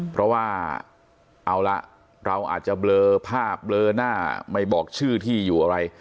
เพราะว่าเอาละเราอาจจะเบลอภาพเลอหน้าไม่บอกชื่อที่อยู่อะไร